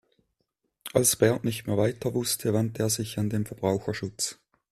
Als Bert nicht mehr weiter wusste, wandte er sich an den Verbraucherschutz.